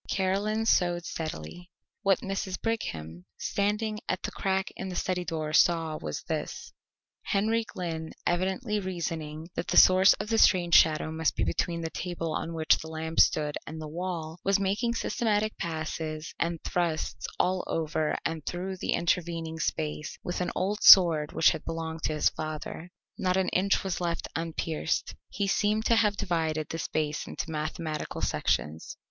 Caroline sewed steadily. What Mrs. Brigham, standing at the crack in the study door, saw was this: Henry Glynn, evidently reasoning that the source of the strange shadow must be between the table on which the lamp stood and the wall, was making systematic passes and thrusts all over and through the intervening space with an old sword which had belonged to his father. Not an inch was left unpierced. He seemed to have divided the space into mathematical sections.